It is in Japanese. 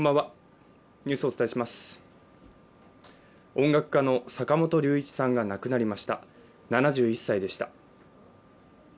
音楽家の坂本龍一さんが亡くなりました、７１歳でした。